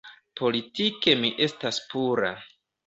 Politike mi estas pura.